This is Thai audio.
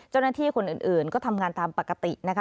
เจ้าหน้าที่คนอื่นก็ทำงานตามปกตินะคะ